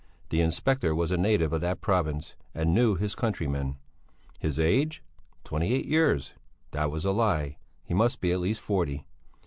The inspector was a native of that province and knew his countrymen. His age? Twenty eight years! That was a lie; he must be at least forty.